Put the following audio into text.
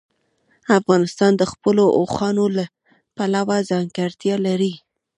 افغانستان د خپلو اوښانو له پلوه ځانګړتیا لري.